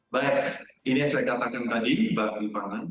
baik ini yang saya katakan tadi mbak rifana